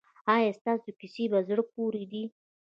ایا ستاسو کیسې په زړه پورې دي؟